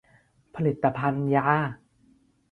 ผลิตภัณฑ์ยา